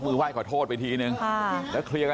แล้วไม่แต่ถอดกันด้วยหมักเปล่า